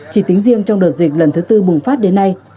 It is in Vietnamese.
chỉ tính riêng trong đợt dịch lần thứ tư bùng phát đến nay